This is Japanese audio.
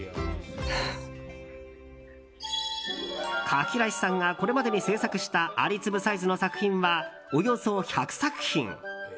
かきらしさんがこれまでに制作した蟻粒サイズの作品はおよそ１００作品。